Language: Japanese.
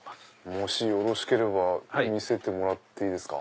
もしよろしければ見せてもらっていいですか？